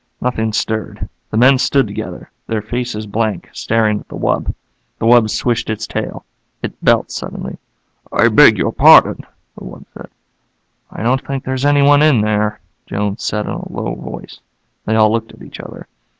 Nothing stirred. The men stood together, their faces blank, staring at the wub. The wub swished its tail. It belched suddenly. "I beg your pardon," the wub said. "I don't think there's anyone in there," Jones said in a low voice. They all looked at each other.